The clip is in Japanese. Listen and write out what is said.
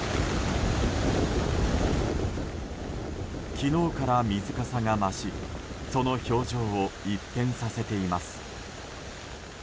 昨日から水かさが増しその表情を一変させています。